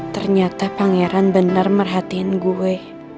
ternyata pangeran benar merhatiin gue